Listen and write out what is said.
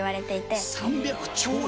伊達：３００兆円？